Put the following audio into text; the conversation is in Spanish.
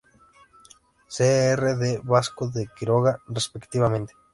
Sr. D. Vasco de Quiroga", respectivamente.